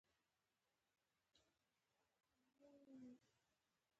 ډلې ډلې خلک لوی جامع مسجد ته ور راغلل.